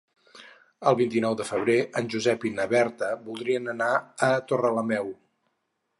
El vint-i-nou de febrer en Josep i na Berta voldrien anar a Torrelameu.